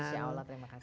insya allah terima kasih